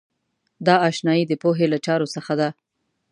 دا آشنایۍ د پوهې له چارو څخه ده.